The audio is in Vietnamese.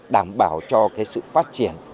đảm bảo cho cái sự phát triển